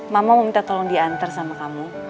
mama minta tolong diantar sama kamu